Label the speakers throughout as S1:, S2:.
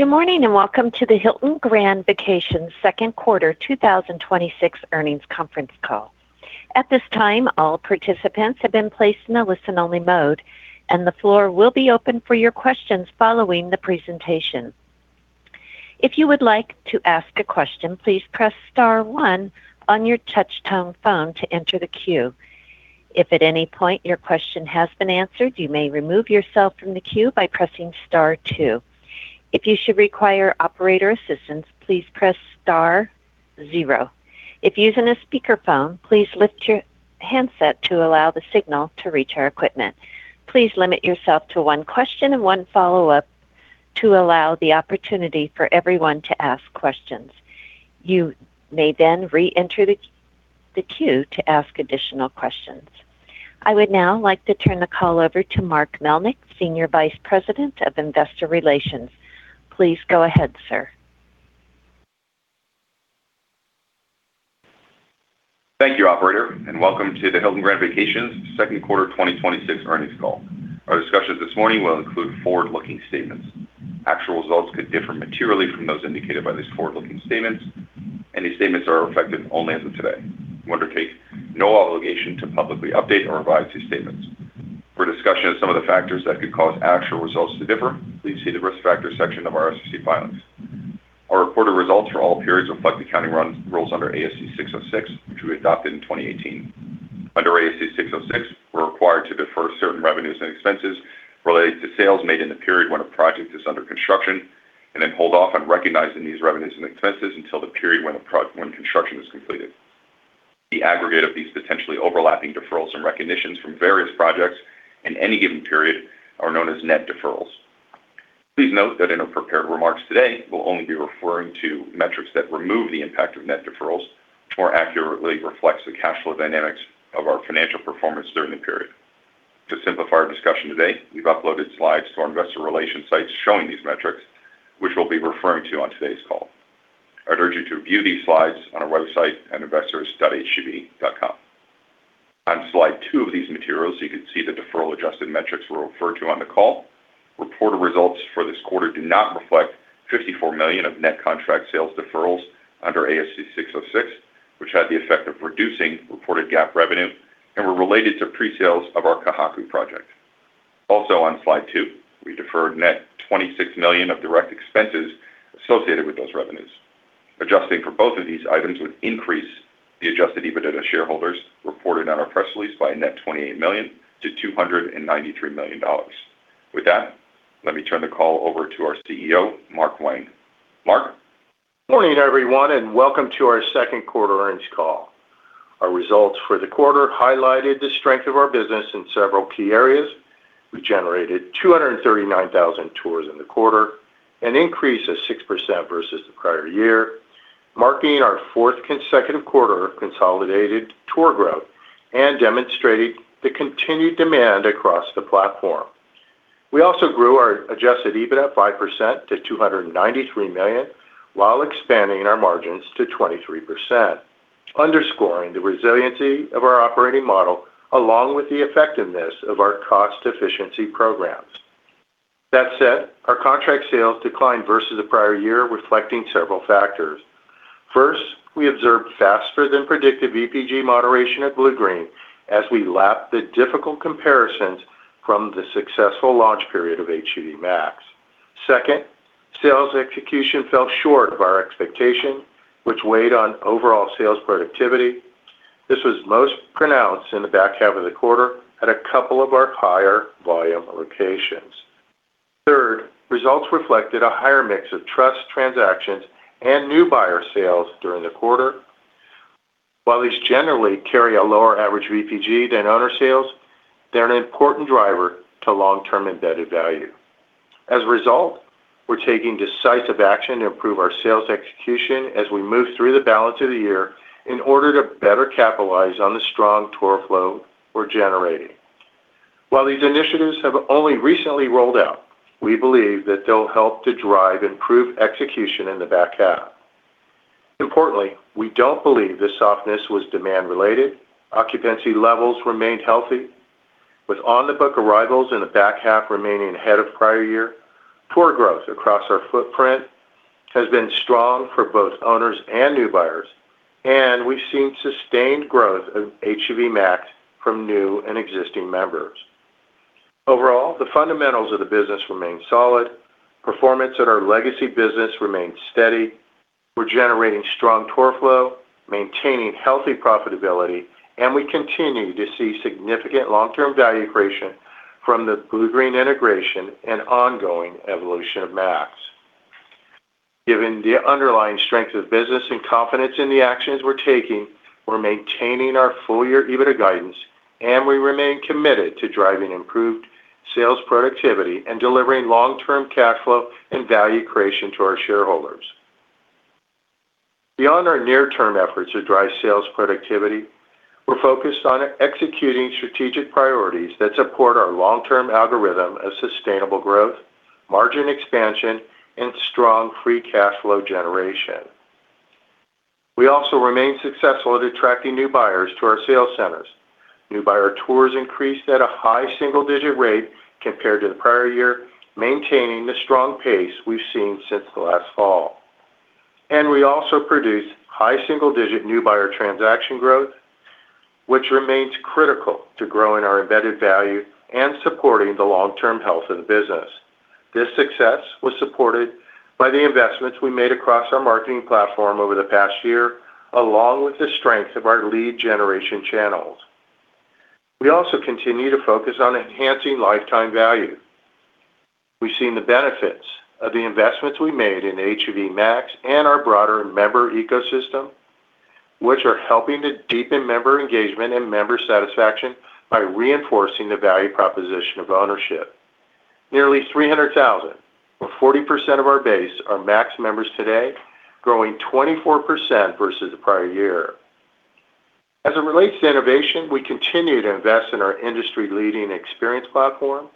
S1: Good morning, welcome to the Hilton Grand Vacations second quarter 2026 earnings conference call. At this time, all participants have been placed in a listen-only mode, and the floor will be open for your questions following the presentation. If you would like to ask a question, please press star one on your touchtone phone to enter the queue. If at any point your question has been answered, you may remove yourself from the queue by pressing star two. If you should require operator assistance, please press star zero. If using a speakerphone, please lift your handset to allow the signal to reach our equipment. Please limit yourself to one question and one follow-up to allow the opportunity for everyone to ask questions. You may re-enter the queue to ask additional questions. I would now like to turn the call over to Mark Melnyk, Senior Vice President of Investor Relations. Please go ahead, sir.
S2: Thank you, operator, welcome to the Hilton Grand Vacations second quarter 2026 earnings call. Our discussions this morning will include forward-looking statements. Actual results could differ materially from those indicated by these forward-looking statements, and these statements are effective only as of today. We undertake no obligation to publicly update or revise these statements. For a discussion of some of the factors that could cause actual results to differ, please see the Risk Factors section of our SEC filings. Our reported results for all periods reflect accounting rules under ASC 606, which we adopted in 2018. Under ASC 606, we're required to defer certain revenues and expenses related to sales made in the period when a project is under construction and then hold off on recognizing these revenues and expenses until the period when construction is completed. The aggregate of these potentially overlapping deferrals and recognitions from various projects in any given period are known as net deferrals. Please note that in our prepared remarks today, we'll only be referring to metrics that remove the impact of net deferrals, which more accurately reflects the cash flow dynamics of our financial performance during the period. To simplify our discussion today, we've uploaded slides to our investor relations sites showing these metrics, which we'll be referring to on today's call. I'd urge you to view these slides on our website at investors.hgv.com. On slide two of these materials, you can see the deferral-adjusted metrics we'll refer to on the call. Reported results for this quarter do not reflect $54 million of net contract sales deferrals under ASC 606, which had the effect of reducing reported GAAP revenue and were related to pre-sales of our Ka Haku project. Also on slide two, we deferred net $26 million of direct expenses associated with those revenues. Adjusting for both of these items would increase the adjusted EBITDA to shareholders reported on our press release by a net $28 million to $293 million. With that, let me turn the call over to our CEO, Mark Wang. Mark?
S3: Morning, everyone, and welcome to our second quarter earnings call. Our results for the quarter highlighted the strength of our business in several key areas. We generated 239,000 tours in the quarter, an increase of 6% versus the prior year, marking our fourth consecutive quarter of consolidated tour growth and demonstrating the continued demand across the platform. We also grew our adjusted EBITDA 5% to $293 million while expanding our margins to 23%, underscoring the resiliency of our operating model along with the effectiveness of our cost efficiency programs. That said, our contract sales declined versus the prior year, reflecting several factors. First, we observed faster than predicted VPG moderation at Bluegreen as we lapped the difficult comparisons from the successful launch period of HGV Max. Second, sales execution fell short of our expectation, which weighed on overall sales productivity. This was most pronounced in the back half of the quarter at a couple of our higher volume locations. Third, results reflected a higher mix of trust transactions and new buyer sales during the quarter. While these generally carry a lower average VPG than owner sales, they're an important driver to long-term embedded value. As a result, we're taking decisive action to improve our sales execution as we move through the balance of the year in order to better capitalize on the strong tour flow we're generating. While these initiatives have only recently rolled out, we believe that they'll help to drive improved execution in the back half. Importantly, we don't believe this softness was demand related. Occupancy levels remained healthy, with on-the-book arrivals in the back half remaining ahead of prior year. Tour growth across our footprint has been strong for both owners and new buyers, and we've seen sustained growth of HGV Max from new and existing members. Overall, the fundamentals of the business remain solid. Performance at our legacy business remains steady. We're generating strong tour flow, maintaining healthy profitability, and we continue to see significant long-term value creation from the Bluegreen integration and ongoing evolution of Max. Given the underlying strength of the business and confidence in the actions we're taking, we're maintaining our full-year EBITDA guidance, and we remain committed to driving improved sales productivity and delivering long-term cash flow and value creation to our shareholders. Beyond our near-term efforts to drive sales productivity, we're focused on executing strategic priorities that support our long-term algorithm of sustainable growth, margin expansion, and strong free cash flow generation. We also remain successful at attracting new buyers to our sales centers. New buyer tours increased at a high single-digit rate compared to the prior year, maintaining the strong pace we've seen since last fall. We also produced high single-digit new buyer transaction growth, which remains critical to growing our embedded value and supporting the long-term health of the business. This success was supported by the investments we made across our marketing platform over the past year, along with the strength of our lead generation channels. We also continue to focus on enhancing lifetime value. We've seen the benefits of the investments we made in HGV Max and our broader member ecosystem, which are helping to deepen member engagement and member satisfaction by reinforcing the value proposition of ownership. Nearly 300,000, or 40% of our base, are Max members today, growing 24% versus the prior year. As it relates to innovation, we continue to invest in our industry-leading experience platform.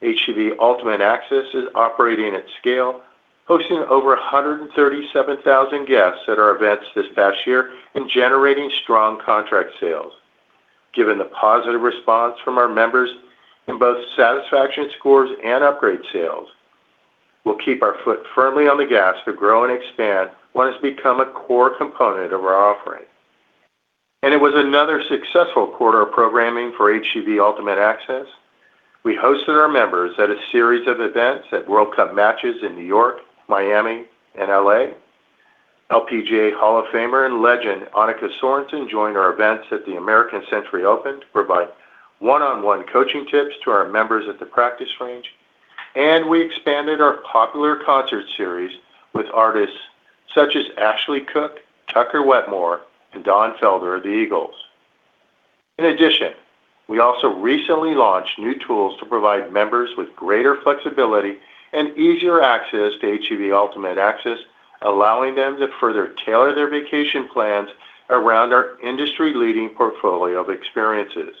S3: HGV Ultimate Access is operating at scale, hosting over 137,000 guests at our events this past year and generating strong contract sales. Given the positive response from our members in both satisfaction scores and upgrade sales, we'll keep our foot firmly on the gas to grow and expand what has become a core component of our offering. It was another successful quarter of programming for HGV Ultimate Access. We hosted our members at a series of events at World Cup matches in New York, Miami, and L.A. LPGA Hall of Famer and legend Annika Sörenstam joined our events at the American Century Championship to provide one-on-one coaching tips to our members at the practice range. We expanded our popular concert series with artists such as Ashley Cooke, Tucker Wetmore, and Don Felder of the Eagles. In addition, we also recently launched new tools to provide members with greater flexibility and easier access to HGV Ultimate Access, allowing them to further tailor their vacation plans around our industry-leading portfolio of experiences.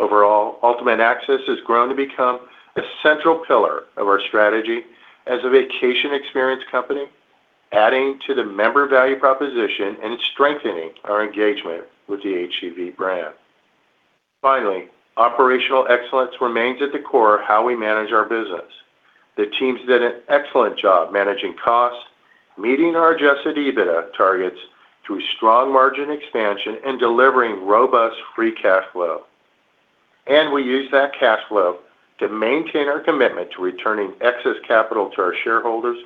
S3: Overall, Ultimate Access has grown to become a central pillar of our strategy as a vacation experience company, adding to the member value proposition and strengthening our engagement with the HGV brand. Finally, operational excellence remains at the core of how we manage our business. The teams did an excellent job managing costs, meeting our adjusted EBITDA targets through strong margin expansion, and delivering robust free cash flow. We used that cash flow to maintain our commitment to returning excess capital to our shareholders,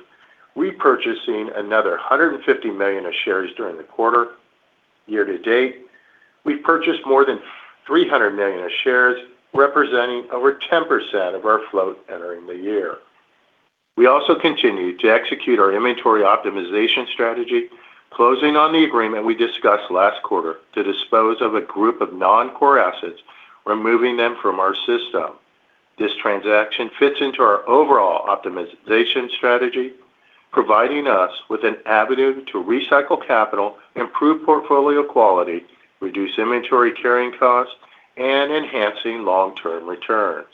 S3: repurchasing another $150 million of shares during the quarter. Year to date, we've purchased more than $300 million of shares, representing over 10% of our float entering the year. We also continue to execute our inventory optimization strategy, closing on the agreement we discussed last quarter to dispose of a group of non-core assets, removing them from our system. This transaction fits into our overall optimization strategy, providing us with an avenue to recycle capital, improve portfolio quality, reduce inventory carrying costs, and enhancing long-term returns.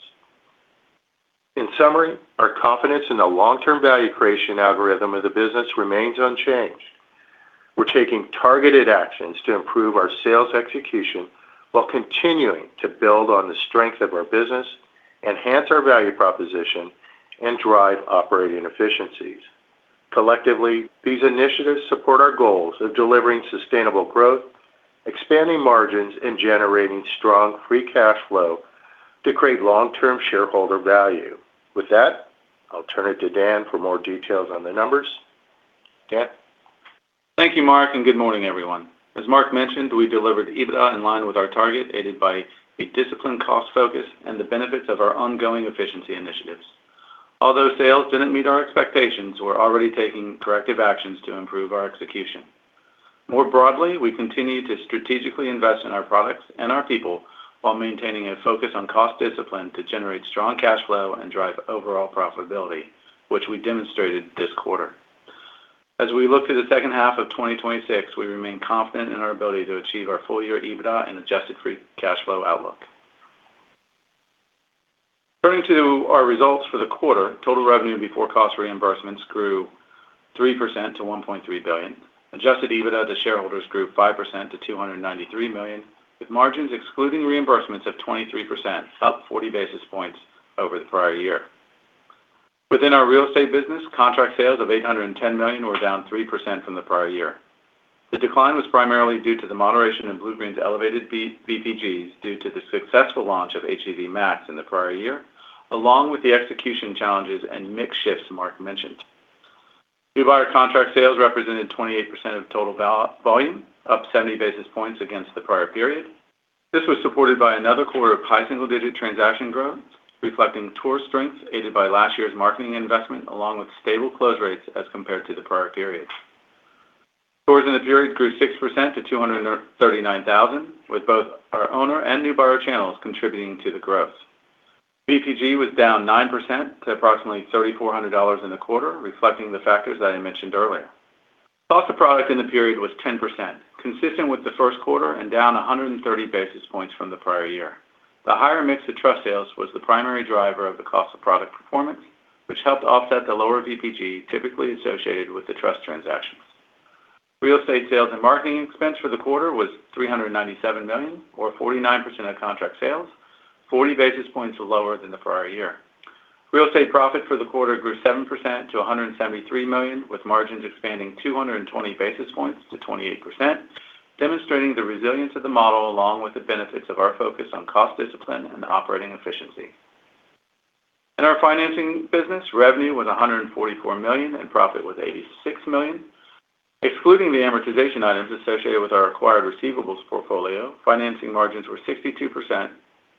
S3: In summary, our confidence in the long-term value creation algorithm of the business remains unchanged. We're taking targeted actions to improve our sales execution while continuing to build on the strength of our business, enhance our value proposition, and drive operating efficiencies. Collectively, these initiatives support our goals of delivering sustainable growth, expanding margins, and generating strong free cash flow to create long-term shareholder value. With that, I'll turn it to Dan for more details on the numbers. Dan?
S4: Thank you, Mark, and good morning, everyone. As Mark mentioned, we delivered EBITDA in line with our target, aided by a disciplined cost focus and the benefits of our ongoing efficiency initiatives. Although sales didn't meet our expectations, we're already taking corrective actions to improve our execution. More broadly, we continue to strategically invest in our products and our people while maintaining a focus on cost discipline to generate strong cash flow and drive overall profitability, which we demonstrated this quarter. As we look to the second half of 2026, we remain confident in our ability to achieve our full-year EBITDA and adjusted free cash flow outlook. Turning to our results for the quarter, total revenue before cost reimbursements grew 3% to $1.3 billion. Adjusted EBITDA to shareholders grew 5% to $293 million, with margins excluding reimbursements of 23%, up 40 basis points over the prior year. Within our real estate business, contract sales of $810 million were down 3% from the prior year. The decline was primarily due to the moderation in Bluegreen's elevated VPGs due to the successful launch of HGV Max in the prior year, along with the execution challenges and mix shifts Mark mentioned. New buyer contract sales represented 28% of total volume, up 70 basis points against the prior period. This was supported by another quarter of high single-digit transaction growth, reflecting tour strength aided by last year's marketing investment, along with stable close rates as compared to the prior period. Tours in the period grew 6% to 239,000, with both our owner and new buyer channels contributing to the growth. VPG was down 9% to approximately $3,400 in the quarter, reflecting the factors that I mentioned earlier. Cost of product in the period was 10%, consistent with the first quarter and down 130 basis points from the prior year. The higher mix of trust sales was the primary driver of the cost of product performance, which helped offset the lower VPG typically associated with the trust transactions. Real estate sales and marketing expense for the quarter was $397 million, or 49% of contract sales, 40 basis points lower than the prior year. Real estate profit for the quarter grew 7% to $173 million, with margins expanding 220 basis points to 28%, demonstrating the resilience of the model, along with the benefits of our focus on cost discipline and operating efficiency. In our financing business, revenue was $144 million and profit was $86 million. Excluding the amortization items associated with our acquired receivables portfolio, financing margins were 62%,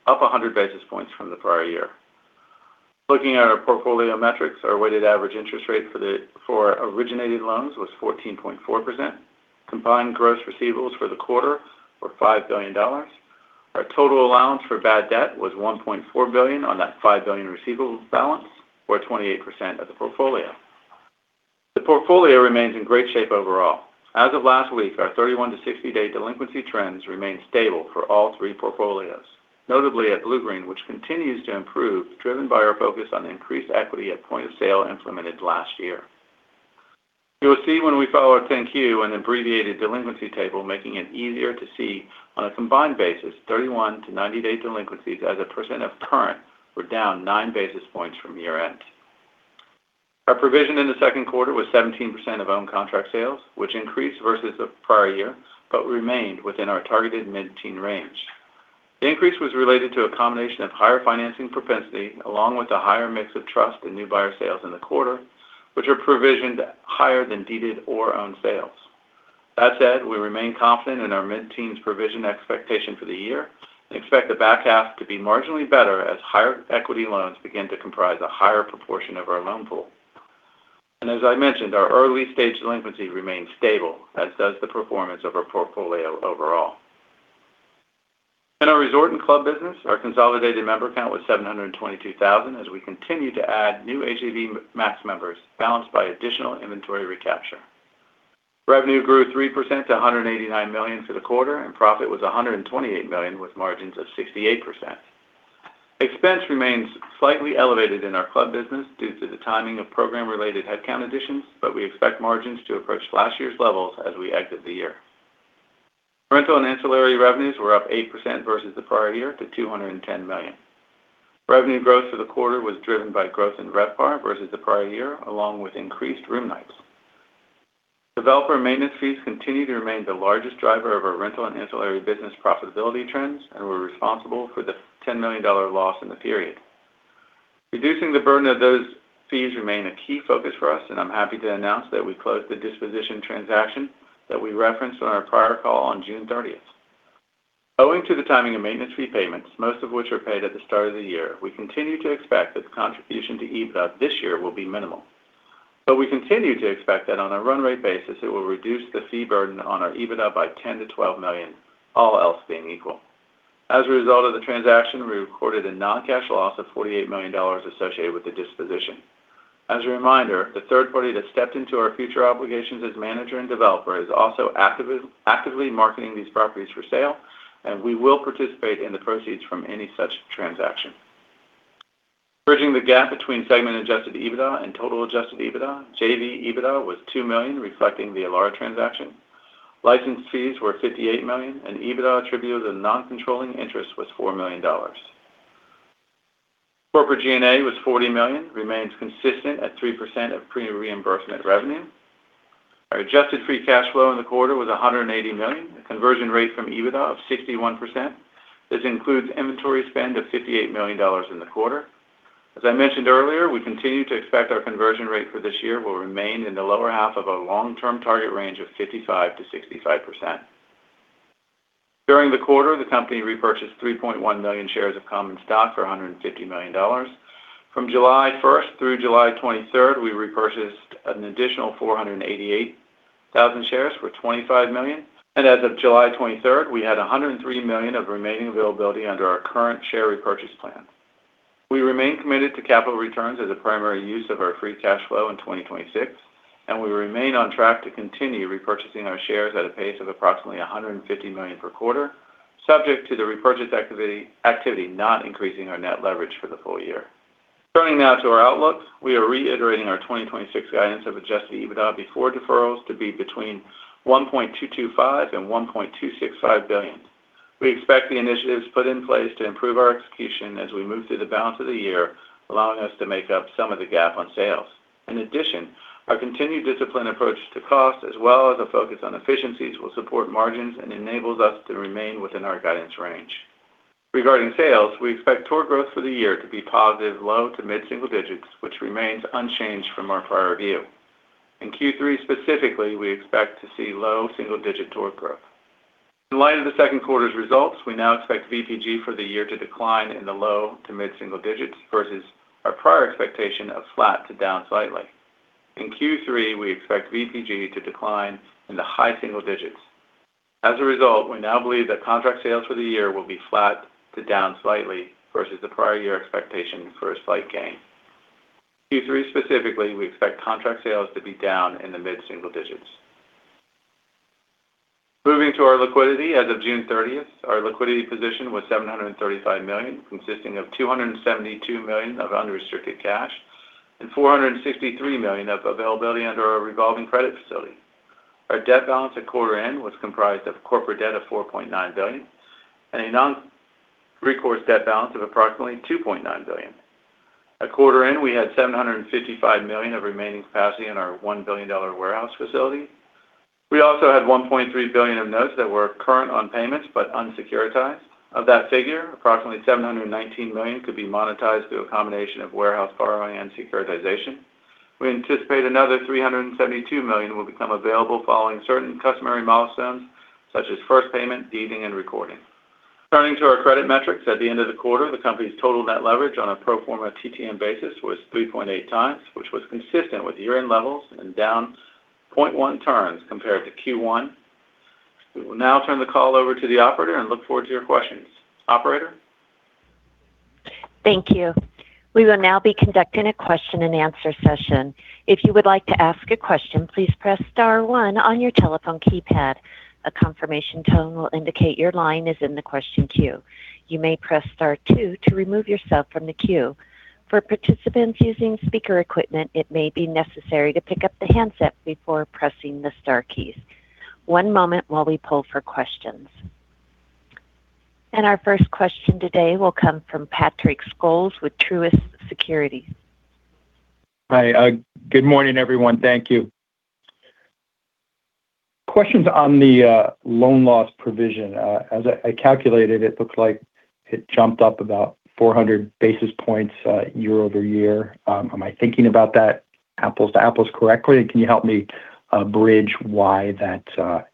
S4: up 100 basis points from the prior year. Looking at our portfolio metrics, our weighted average interest rate for originating loans was 14.4%. Combined gross receivables for the quarter were $5 billion. Our total allowance for bad debt was $1.4 billion on that $5 billion receivable balance, or 28% of the portfolio. The portfolio remains in great shape overall. As of last week, our 31-60-day delinquency trends remain stable for all three portfolios, notably at Bluegreen, which continues to improve, driven by our focus on increased equity at point of sale implemented last year. You will see when we file our 10-Q an abbreviated delinquency table, making it easier to see on a combined basis 31-90 day delinquencies as a percent of current were down nine basis points from year end. Our provision in the second quarter was 17% of own contract sales, which increased versus the prior year but remained within our targeted mid-teen range. The increase was related to a combination of higher financing propensity along with a higher mix of trust in new buyer sales in the quarter, which are provisioned higher than deeded or owned sales. That said, we remain confident in our mid-teens provision expectation for the year and expect the back half to be marginally better as higher equity loans begin to comprise a higher proportion of our loan pool. As I mentioned, our early-stage delinquency remains stable, as does the performance of our portfolio overall. In our resort and club business, our consolidated member count was 722,000 as we continue to add new HGV Max members balanced by additional inventory recapture. Revenue grew 3% to $189 million for the quarter, and profit was $128 million with margins of 68%. Expense remains slightly elevated in our club business due to the timing of program-related headcount additions, but we expect margins to approach last year's levels as we exit the year. Rental and ancillary revenues were up 8% versus the prior year to $210 million. Revenue growth for the quarter was driven by growth in RevPAR versus the prior year, along with increased room nights. Developer maintenance fees continue to remain the largest driver of our rental and ancillary business profitability trends and were responsible for the $10 million loss in the period. Reducing the burden of those fees remain a key focus for us, and I'm happy to announce that we closed the disposition transaction that we referenced on our prior call on June thirtieth. Owing to the timing of maintenance fee payments, most of which are paid at the start of the year, we continue to expect that the contribution to EBITDA this year will be minimal. We continue to expect that on a run rate basis, it will reduce the fee burden on our EBITDA by $10 million-$12 million, all else being equal. As a result of the transaction, we recorded a non-cash loss of $48 million associated with the disposition. As a reminder, the third party that stepped into our future obligations as manager and developer is also actively marketing these properties for sale, and we will participate in the proceeds from any such transaction. Bridging the gap between segment adjusted EBITDA and total adjusted EBITDA, JV EBITDA was $2 million, reflecting the Elara transaction. License fees were $58 million, and EBITDA attributed a non-controlling interest was $4 million. Corporate G&A was $40 million, remains consistent at 3% of premium reimbursement revenue. Our adjusted free cash flow in the quarter was $180 million, a conversion rate from EBITDA of 61%. This includes inventory spend of $58 million in the quarter. As I mentioned earlier, we continue to expect our conversion rate for this year will remain in the lower half of our long-term target range of 55%-65%. During the quarter, the company repurchased 3.1 million shares of common stock for $150 million. From July 1st through July 23rd, we repurchased an additional 488,000 shares for $25 million. As of July 23rd, we had $103 million of remaining availability under our current share repurchase plan. We remain committed to capital returns as a primary use of our free cash flow in 2026, and we remain on track to continue repurchasing our shares at a pace of approximately $150 million per quarter, subject to the repurchase activity not increasing our net leverage for the full year. Turning now to our outlook. We are reiterating our 2026 guidance of adjusted EBITDA before deferrals to be between $1.225 billion and $1.265 billion. We expect the initiatives put in place to improve our execution as we move through the balance of the year, allowing us to make up some of the gap on sales. Our continued disciplined approach to cost as well as a focus on efficiencies will support margins and enables us to remain within our guidance range. Regarding sales, we expect tour growth for the year to be positive low- to mid-single digits, which remains unchanged from our prior view. In Q3 specifically, we expect to see low single-digit tour growth. In light of the second quarter's results, we now expect VPG for the year to decline in the low- to mid-single digits, versus our prior expectation of flat to down slightly. In Q3, we expect VPG to decline in the high single digits. We now believe that contract sales for the year will be flat to down slightly, versus the prior year expectation for a slight gain. Q3 specifically, we expect contract sales to be down in the mid-single digits. Moving to our liquidity. As of June 30th, our liquidity position was $735 million, consisting of $272 million of unrestricted cash and $463 million of availability under our revolving credit facility. Our debt balance at quarter end was comprised of corporate debt of $4.9 billion and a non-recourse debt balance of approximately $2.9 billion. At quarter end, we had $755 million of remaining capacity in our $1 billion warehouse facility. We also had $1.3 billion of notes that were current on payments but unsecuritized. Of that figure, approximately $719 million could be monetized through a combination of warehouse borrowing and securitization. We anticipate another $372 million will become available following certain customary milestones, such as first payment, deeding, and recording. Turning to our credit metrics. At the end of the quarter, the company's total net leverage on a pro forma TTM basis was 3.8x, which was consistent with year-end levels and down 0.1 turns compared to Q1. We will now turn the call over to the operator and look forward to your questions. Operator?
S1: Thank you. We will now be conducting a question and answer session. If you would like to ask a question, please press star one on your telephone keypad. A confirmation tone will indicate your line is in the question queue. You may press star two to remove yourself from the queue. For participants using speaker equipment, it may be necessary to pick up the handset before pressing the star keys. One moment while we pull for questions. Our first question today will come from Patrick Scholes with Truist Securities.
S5: Hi. Good morning, everyone. Thank you. Questions on the loan loss provision. As I calculated, it looks like it jumped up about 400 basis points year-over-year. Am I thinking about that apples to apples correctly? Can you help me bridge why that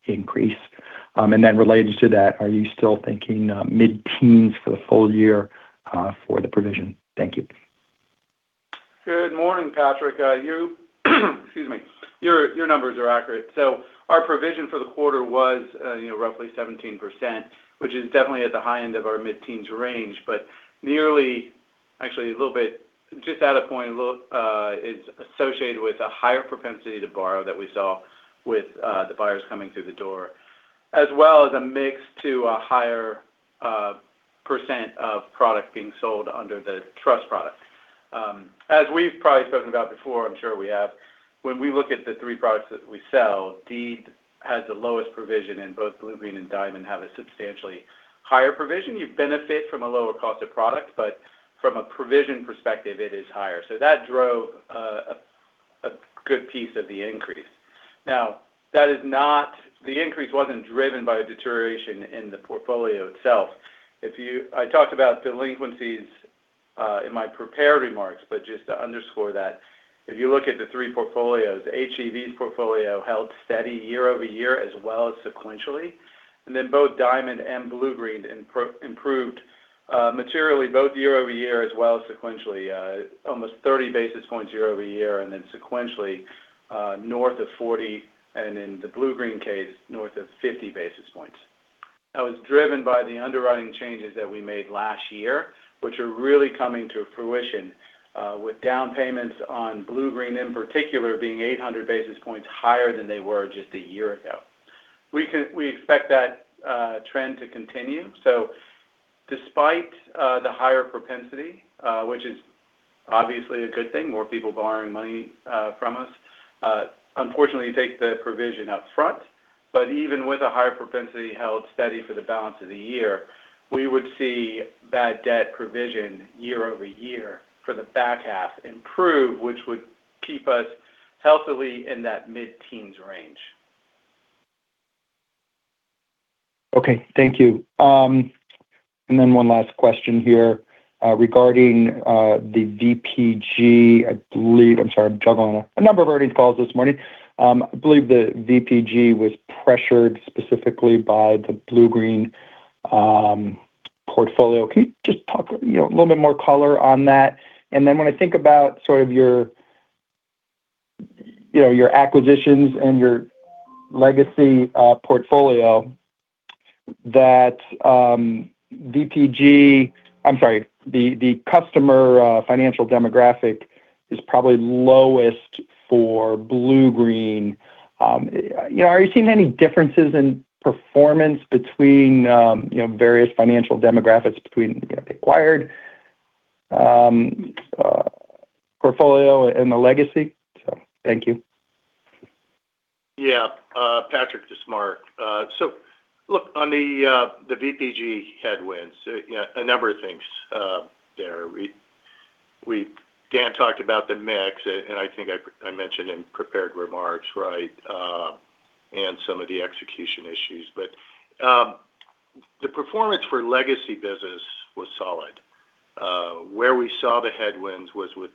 S5: increase? Related to that, are you still thinking mid-teens for the full year for the provision? Thank you.
S4: Good morning, Patrick. Excuse me. Your numbers are accurate. Our provision for the quarter was roughly 17%, which is definitely at the high end of our mid-teens range. But nearly, actually a little bit, just out of point a little, is associated with a higher propensity to borrow that we saw with the buyers coming through the door, as well as a mix to a higher % of product being sold under the trust product. As we've probably spoken about before, I'm sure we have, when we look at the three products that we sell, deed has the lowest provision, and both Bluegreen and Diamond have a substantially higher provision. You benefit from a lower cost of product, but from a provision perspective, it is higher. That drove a good piece of the increase. Now, the increase wasn't driven by a deterioration in the portfolio itself. I talked about delinquencies in my prepared remarks, but just to underscore that, if you look at the three portfolios, HGV's portfolio held steady year-over-year as well as sequentially. Both Diamond and Bluegreen improved materially both year-over-year as well as sequentially, almost 30 basis points year-over-year, and then sequentially north of 40, and in the Bluegreen case, north of 50 basis points. That was driven by the underwriting changes that we made last year, which are really coming to fruition with down payments on Bluegreen, in particular, being 800 basis points higher than they were just a year ago. We expect that trend to continue. Despite the higher propensity, which is obviously a good thing, more people borrowing money from us, unfortunately you take the provision up front, but even with a higher propensity held steady for the balance of the year, we would see bad debt provision year-over-year for the back half improve, which would keep us healthily in that mid-teens range.
S5: Okay. Thank you. One last question here regarding the VPG, I believe. I'm sorry. I'm juggling a number of earnings calls this morning. I believe the VPG was pressured specifically by the Bluegreen portfolio. Can you just talk, a little bit more color on that? When I think about sort of your acquisitions and your legacy portfolio, the customer financial demographic is probably lowest for Bluegreen. Are you seeing any differences in performance between various financial demographics between the acquired portfolio and the legacy? Thank you.
S3: Yeah. Patrick, this is Mark. Look, on the VPG headwinds, a number of things there. Dan talked about the mix, and I think I mentioned in prepared remarks, and some of the execution issues. The performance for legacy business was solid. Where we saw the headwinds was with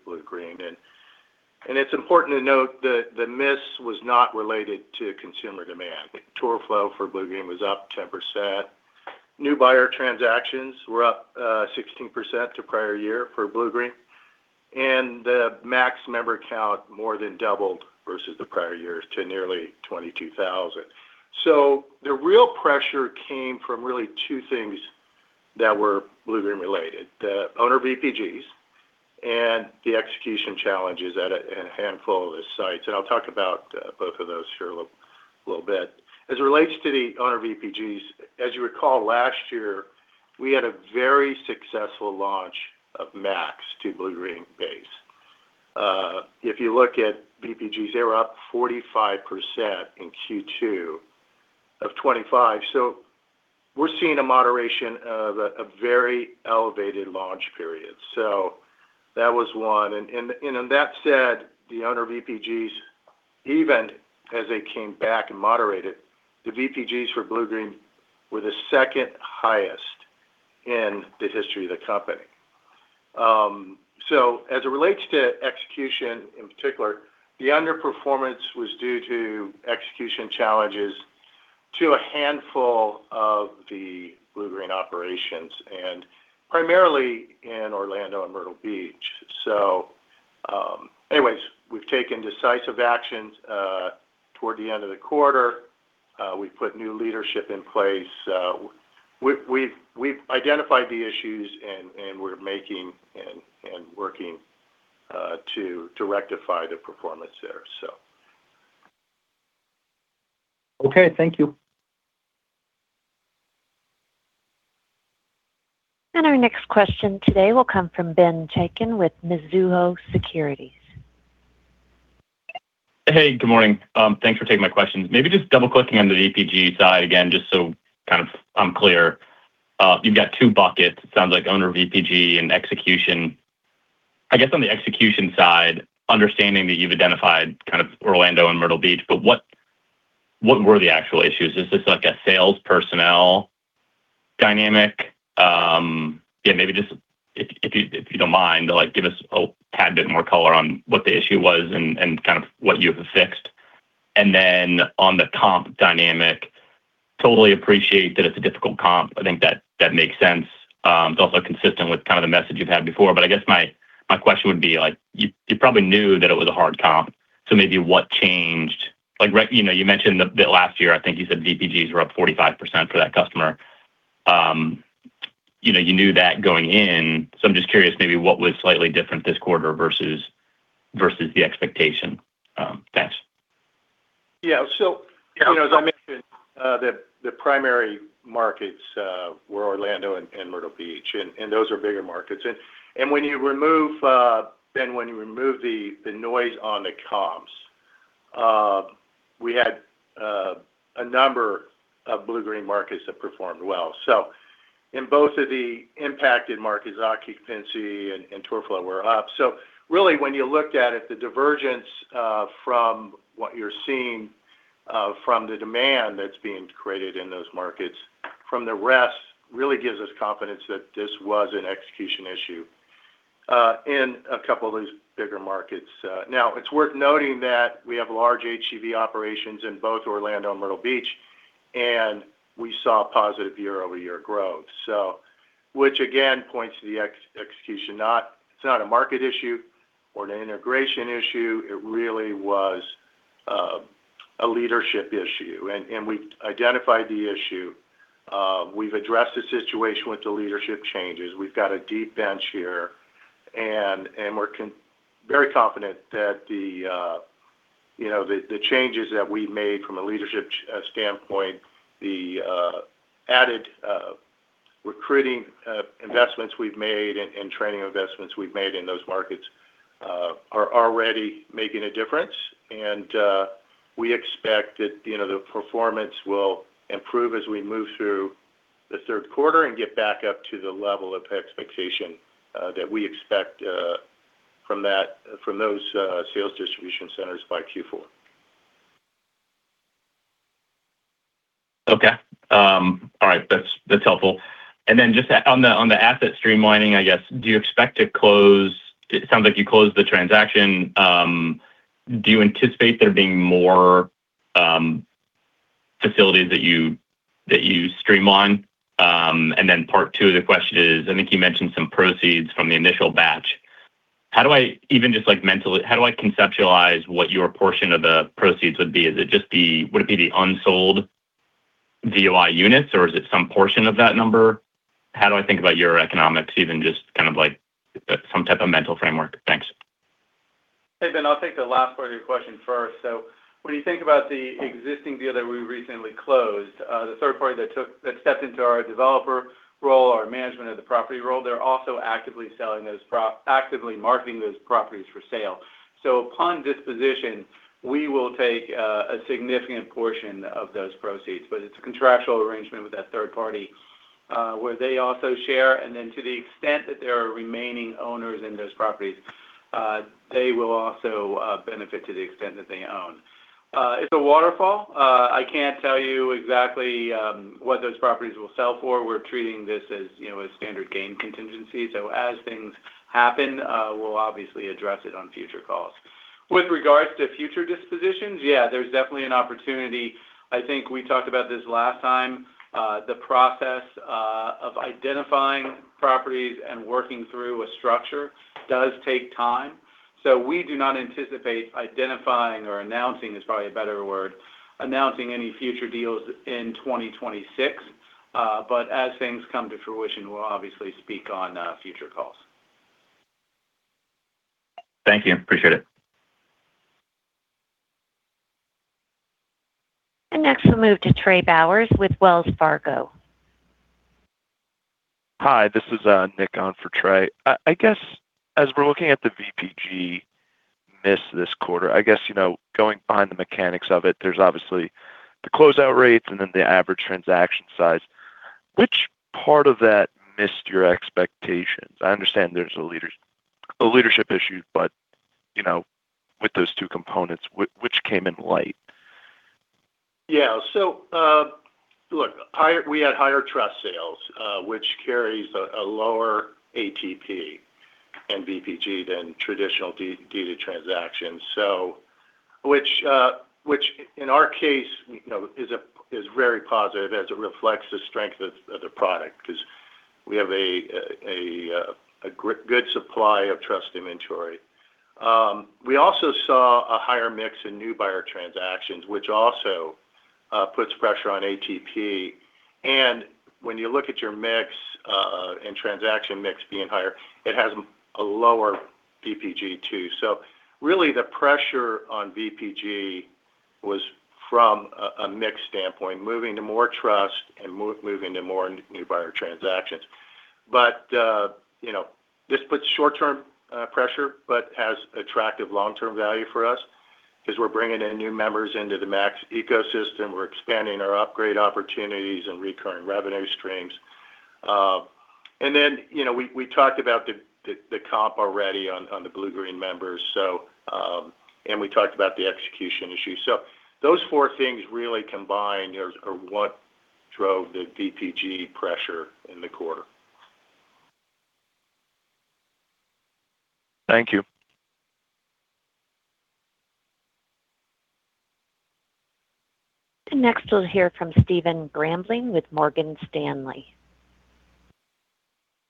S3: Bluegreen. It's important to note that the miss was not related to consumer demand. Tour flow for Bluegreen was up 10%. New buyer transactions were up 16% to prior year for Bluegreen, and the Max member count more than doubled versus the prior years to nearly 22,000. The real pressure came from really two things that were Bluegreen related. The owner VPGs The execution challenges at a handful of the sites. I'll talk about both of those here a little bit. As it relates to the owner VPGs, as you recall, last year, we had a very successful launch of Max to Bluegreen base. If you look at VPGs, they were up 45% in Q2 of 2025. We're seeing a moderation of a very elevated launch period. That was one. That said, the owner VPGs, even as they came back and moderated, the VPGs for Bluegreen were the second highest in the history of the company. As it relates to execution in particular, the underperformance was due to execution challenges to a handful of the Bluegreen operations, and primarily in Orlando and Myrtle Beach. Anyways, we've taken decisive actions toward the end of the quarter. We've put new leadership in place. We've identified the issues, and we're making and working to rectify the performance there.
S5: Okay, thank you.
S1: Our next question today will come from Ben Chaiken with Mizuho Securities.
S6: Hey, good morning. Thanks for taking my questions. Maybe just double-clicking on the VPG side again, just so I'm clear. You've got two buckets, it sounds like owner VPG and execution. I guess on the execution side, understanding that you've identified Orlando and Myrtle Beach, but what were the actual issues? Is this like a sales personnel dynamic? Yeah, maybe just, if you don't mind, give us a tad bit more color on what the issue was and what you have fixed. Then on the comp dynamic, totally appreciate that it's a difficult comp. I think that makes sense. It's also consistent with the message you've had before. I guess my question would be, you probably knew that it was a hard comp, so maybe what changed? You mentioned that last year, I think you said VPGs were up 45% for that customer. You knew that going in. I'm just curious maybe what was slightly different this quarter versus the expectation. Thanks.
S3: As I mentioned, the primary markets were Orlando and Myrtle Beach, and those are bigger markets. Ben, when you remove the noise on the comps, we had a number of Bluegreen markets that performed well. In both of the impacted markets, occupancy and tour flow were up. Really when you looked at it, the divergence from what you're seeing from the demand that's being created in those markets from the rest really gives us confidence that this was an execution issue in a couple of these bigger markets. It's worth noting that we have large HGV operations in both Orlando and Myrtle Beach, and we saw positive year-over-year growth. Which again points to the execution. It's not a market issue or an integration issue. It really was a leadership issue. We've identified the issue. We've addressed the situation with the leadership changes. We've got a deep bench here. We're very confident that the changes that we've made from a leadership standpoint, the added recruiting investments we've made and training investments we've made in those markets are already making a difference. We expect that the performance will improve as we move through the third quarter and get back up to the level of expectation that we expect from those sales distribution centers by Q4.
S6: Okay. All right. That's helpful. Then just on the asset streamlining, I guess, it sounds like you closed the transaction. Do you anticipate there being more facilities that you streamline? Then part two of the question is, I think you mentioned some proceeds from the initial batch. Even just mentally, how do I conceptualize what your portion of the proceeds would be? Would it be the unsold VOI units, or is it some portion of that number? How do I think about your economics even just kind of like some type of mental framework? Thanks.
S4: Hey, Ben, I'll take the last part of your question first. When you think about the existing deal that we recently closed, the third party that stepped into our developer role, our management of the property role, they're also actively marketing those properties for sale. Upon disposition, we will take a significant portion of those proceeds, but it's a contractual arrangement with that third party, where they also share. To the extent that there are remaining owners in those properties, they will also benefit to the extent that they own. It's a waterfall. I can't tell you exactly what those properties will sell for. We're treating this as a standard gain contingency. As things happen, we'll obviously address it on future calls. With regards to future dispositions, yeah, there's definitely an opportunity. I think we talked about this last time. The process of identifying properties and working through a structure does take time. We do not anticipate identifying or announcing is probably a better word, announcing any future deals in 2026. As things come to fruition, we'll obviously speak on future calls.
S6: Thank you. Appreciate it.
S1: Next we'll move to Trey Bowers with Wells Fargo.
S7: Hi, this is Nick on for Trey. As we're looking at the VPG miss this quarter, going behind the mechanics of it, there's obviously the closeout rates and then the average transaction size. Which part of that missed your expectations? I understand there's a leadership issue, but, with those two components, which came in light?
S3: Yeah. Look, we had higher trust sales, which carries a lower ATP and VPG than traditional data transactions. Which, in our case is very positive as it reflects the strength of the product because we have a good supply of trust inventory. We also saw a higher mix in new buyer transactions, which also puts pressure on ATP. When you look at your mix, and transaction mix being higher, it has a lower VPG too. Really the pressure on VPG was from a mix standpoint, moving to more trust and moving to more new buyer transactions. This puts short-term pressure, but has attractive long-term value for us because we're bringing in new members into the Max ecosystem. We're expanding our upgrade opportunities and recurring revenue streams. Then, we talked about the comp already on the Bluegreen members, and we talked about the execution issue. Those four things really combined are what drove the VPG pressure in the quarter.
S7: Thank you.
S1: Next, we'll hear from Stephen Grambling with Morgan Stanley.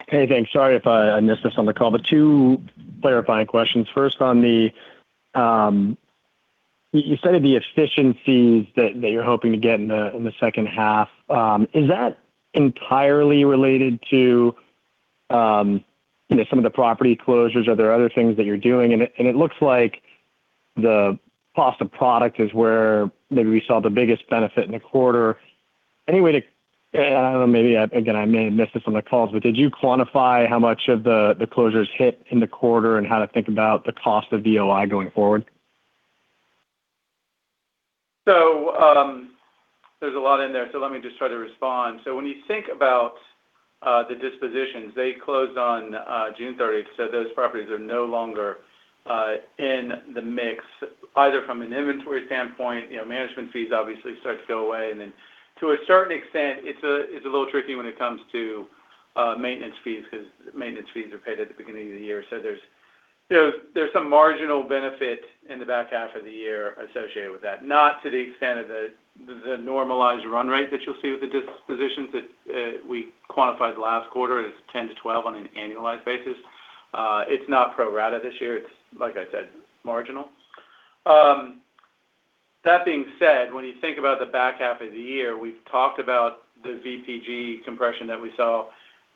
S8: Hey, thanks. Sorry if I missed this on the call, two clarifying questions. First, you stated the efficiencies that you're hoping to get in the second half. Is that entirely related to some of the property closures? Are there other things that you're doing? It looks like the cost of product is where maybe we saw the biggest benefit in the quarter. I don't know, maybe, again, I may have missed this on the calls, did you quantify how much of the closures hit in the quarter and how to think about the cost of VOI going forward?
S4: There's a lot in there, so let me just try to respond. When you think about the dispositions, they closed on June 30th, so those properties are no longer in the mix, either from an inventory standpoint, management fees obviously start to go away, and then to a certain extent, it's a little tricky when it comes to maintenance fees because maintenance fees are paid at the beginning of the year. There's some marginal benefit in the back half of the year associated with that, not to the extent of the normalized run rate that you'll see with the dispositions that we quantified last quarter. It's 10 to 12 on an annualized basis. It's not pro rata this year. It's, like I said, marginal. That being said, when you think about the back half of the year, we've talked about the VPG compression that we saw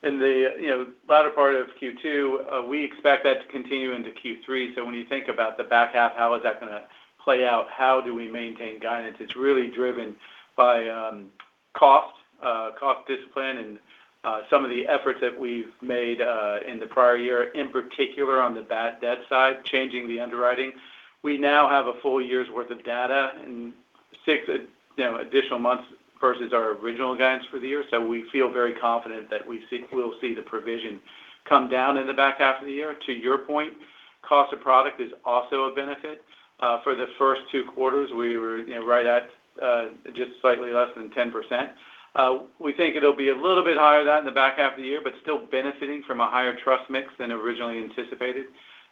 S4: in the latter part of Q2. We expect that to continue into Q3. When you think about the back half, how is that going to play out? How do we maintain guidance? It's really driven by cost discipline and some of the efforts that we've made in the prior year, in particular on the bad debt side, changing the underwriting. We now have a full year's worth of data and six additional months versus our original guidance for the year. We feel very confident that we'll see the provision come down in the back half of the year. To your point, cost of product is also a benefit. For the first two quarters, we were right at just slightly less than 10%. We think it'll be a little bit higher than that in the back half of the year, but still benefiting from a higher trust mix than originally anticipated.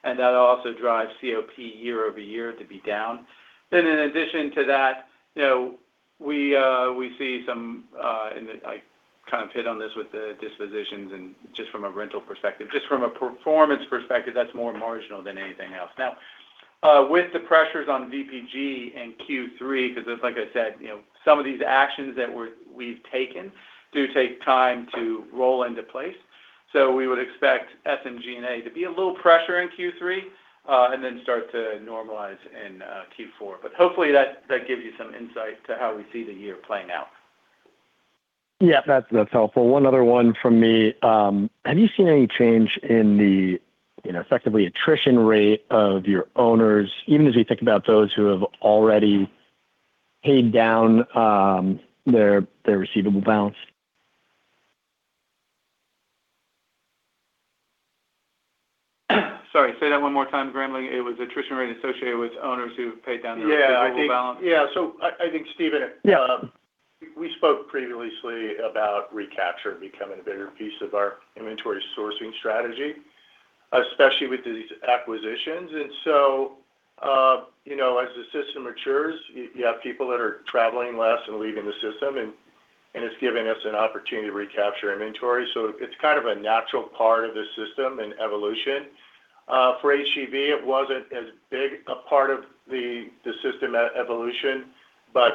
S4: That'll also drive COP year-over-year to be down. In addition to that, we see some, and I kind of hit on this with the dispositions and just from a rental perspective. Just from a performance perspective, that's more marginal than anything else. Now, with the pressures on VPG and Q3, because it's like I said, some of these actions that we've taken do take time to roll into place. We would expect SG&A to be a little pressure in Q3, and then start to normalize in Q4. Hopefully that gives you some insight to how we see the year playing out.
S8: Yeah. That's helpful. One other one from me. Have you seen any change in the effectively attrition rate of your owners, even as we think about those who have already paid down their receivable balance?
S4: Sorry, say that one more time, Grambling. It was attrition rate associated with owners who've paid down their receivable balance?
S3: Yeah. I think, Stephen we spoke previously about recapture becoming a bigger piece of our inventory sourcing strategy, especially with these acquisitions. As the system matures, you have people that are traveling less and leaving the system, it's giving us an opportunity to recapture inventory. It's kind of a natural part of the system and evolution. For HGV, it wasn't as big a part of the system evolution,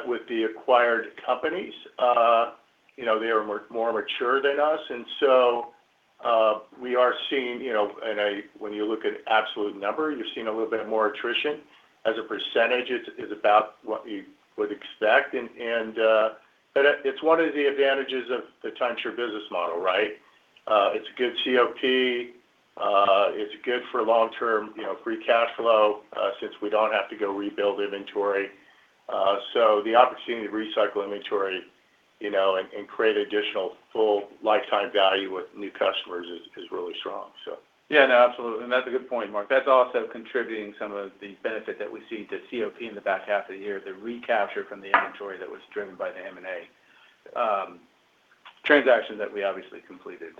S3: with the acquired companies, they are more mature than us, we are seeing, when you look at absolute number, you're seeing a little bit more attrition. As a percentage, it is about what you would expect. It's one of the advantages of the timeshare business model, right? It's a good COP, it's good for long-term free cash flow, since we don't have to go rebuild inventory. The opportunity to recycle inventory, and create additional full lifetime value with new customers is really strong.
S4: Yeah. No, absolutely. That's a good point, Mark. That's also contributing some of the benefit that we see to COP in the back half of the year, the recapture from the inventory that was driven by the M&A transaction that we obviously completed.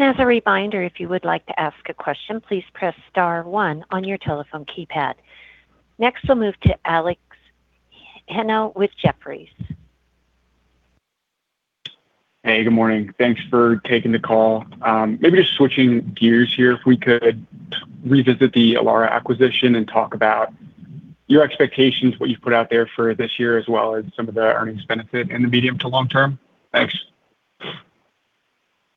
S1: As a reminder, if you would like to ask a question, please press star one on your telephone keypad. Next, we'll move to Alex Hennau with Jefferies.
S9: Hey, good morning. Thanks for taking the call. Maybe just switching gears here, if we could revisit the Elara acquisition and talk about your expectations, what you've put out there for this year, as well as some of the earnings benefit in the medium to long term. Thanks.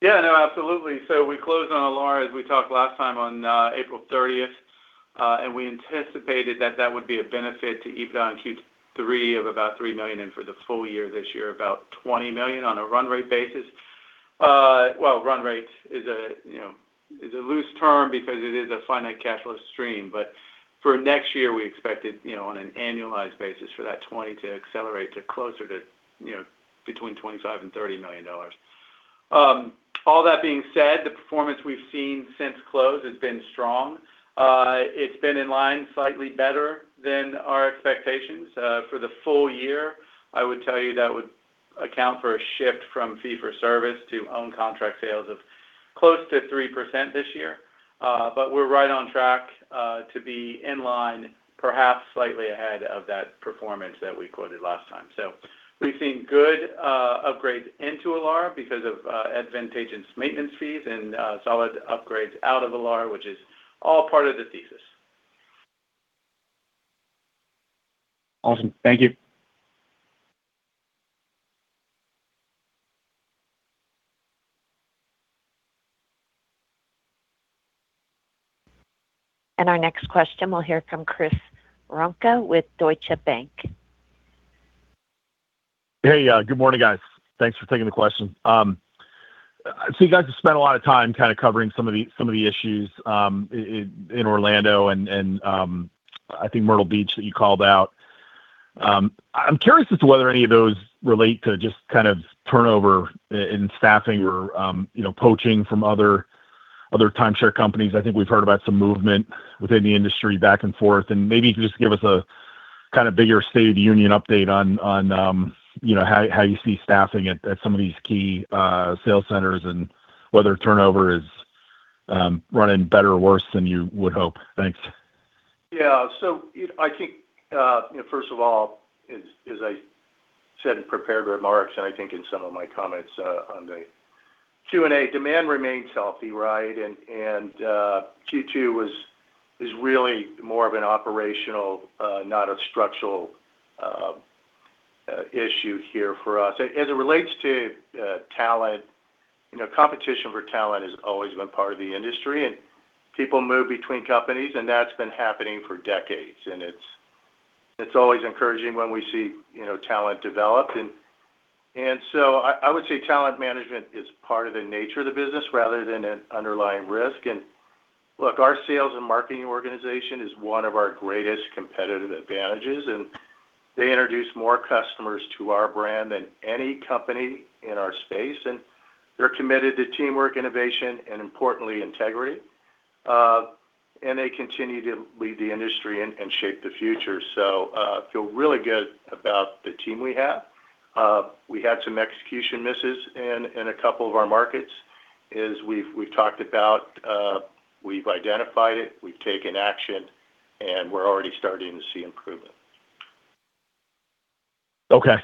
S4: Yeah. No, absolutely. We closed on Elara, as we talked last time, on April 30th. We anticipated that that would be a benefit to EBITDA in Q3 of about $3 million, and for the full year this year, about $20 million on a run rate basis. Well, run rate is a loose term because it is a finite cashless stream. For next year, we expected, on an annualized basis for that 20 to accelerate to closer to between $25 million and $30 million. All that being said, the performance we've seen since close has been strong. It's been in line slightly better than our expectations. For the full year, I would tell you that would account for a shift from fee for service to own contract sales of close to 3% this year. We're right on track, to be in line, perhaps slightly ahead of that performance that we quoted last time. We've seen good upgrades into Elara because of advantageous maintenance fees and solid upgrades out of Elara, which is all part of the thesis.
S9: Awesome. Thank you.
S1: Our next question will hear from Chris Woronka with Deutsche Bank.
S10: Hey. Good morning, guys. Thanks for taking the question. You guys have spent a lot of time kind of covering some of the issues in Orlando and I think Myrtle Beach that you called out. I'm curious as to whether any of those relate to just kind of turnover in staffing or poaching from other timeshare companies. I think we've heard about some movement within the industry back and forth, and maybe if you could just give us a kind of bigger state of the union update on how you see staffing at some of these key sales centers and whether turnover is running better or worse than you would hope. Thanks.
S3: I think, first of all, as I said in prepared remarks, and I think in some of my comments on the Q&A, demand remains healthy, right? Q2 is really more of an operational, not a structural issue here for us. As it relates to talent, competition for talent has always been part of the industry, and people move between companies, and that's been happening for decades. It's always encouraging when we see talent develop. I would say talent management is part of the nature of the business rather than an underlying risk. Look, our sales and marketing organization is one of our greatest competitive advantages, and they introduce more customers to our brand than any company in our space, and they're committed to teamwork, innovation, and importantly, integrity. They continue to lead the industry and shape the future. Feel really good about the team we have. We had some execution misses in a couple of our markets, as we've talked about. We've identified it, we've taken action, and we're already starting to see improvement.
S10: Okay.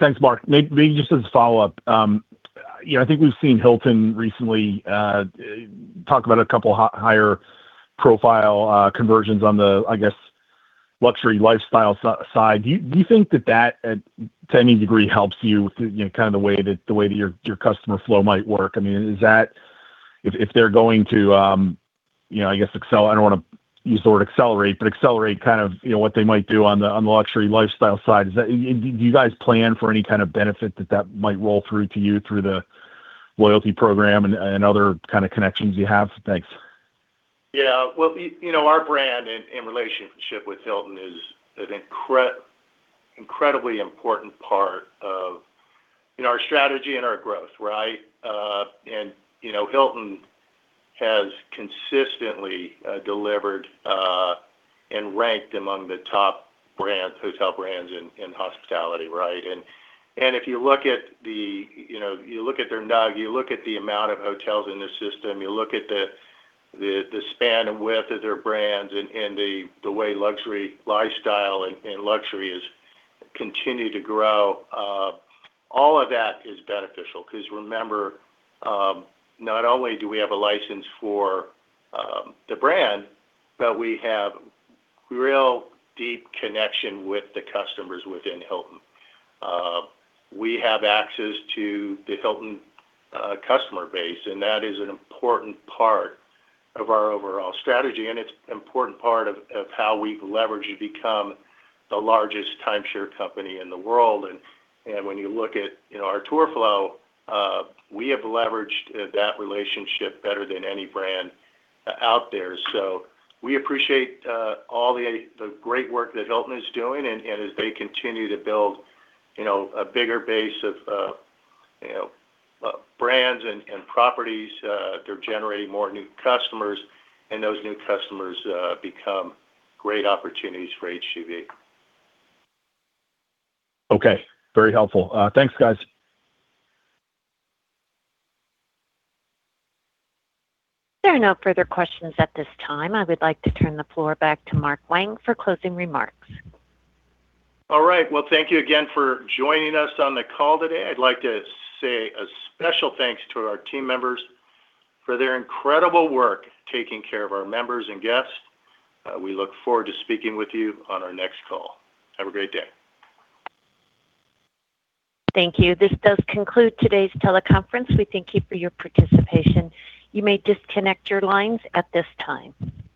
S10: Thanks, Mark. Maybe just as a follow-up, I think we've seen Hilton recently talk about a couple higher profile conversions on the, I guess, luxury lifestyle side. Do you think that that, to any degree, helps you with the kind of the way that your customer flow might work? I mean, if they're going to, I guess excel. I don't want to use the word accelerate, but accelerate kind of what they might do on the luxury lifestyle side. Do you guys plan for any kind of benefit that that might roll through to you through the loyalty program and other kind of connections you have? Thanks.
S3: Yeah. Well, our brand and relationship with Hilton is an incredibly important part of our strategy and our growth, right? Hilton has consistently delivered and ranked among the top hotel brands in hospitality, right? If you look at their NUG, you look at the amount of hotels in the system, you look at the span and width of their brands and the way luxury lifestyle and luxury has continued to grow, all of that is beneficial. Because remember, not only do we have a license for the brand, but we have real deep connection with the customers within Hilton. We have access to the Hilton customer base, and that is an important part of our overall strategy, and it's important part of how we've leveraged to become the largest timeshare company in the world. When you look at our tour flow, we have leveraged that relationship better than any brand out there. We appreciate all the great work that Hilton is doing, and as they continue to build a bigger base of brands and properties, they're generating more new customers, and those new customers become great opportunities for HGV.
S10: Okay. Very helpful. Thanks, guys.
S1: There are no further questions at this time. I would like to turn the floor back to Mark Wang for closing remarks.
S3: All right. Thank you again for joining us on the call today. I'd like to say a special thanks to our team members for their incredible work taking care of our members and guests. We look forward to speaking with you on our next call. Have a great day.
S1: Thank you. This does conclude today's teleconference. We thank you for your participation. You may disconnect your lines at this time.